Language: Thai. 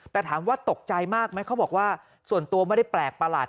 แต่ถามว่าตกใจมากไหมเขาบอกว่าส่วนตัวไม่ได้แปลกประหลาด